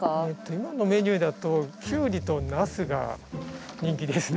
今のメニューだとキュウリとナスが人気ですね。